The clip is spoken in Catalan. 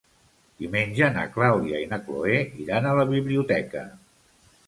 Diumenge na Clàudia i na Cloè iran a la biblioteca.